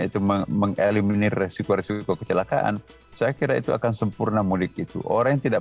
itu mengeliminir resiko resiko kecelakaan saya kira itu akan sempurna mudik itu orang yang tidak